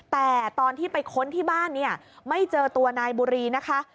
แต่ตอนที่ไปค้นที่บ้านเนี่ยไม่เจอตัวนายบุรีนะคะ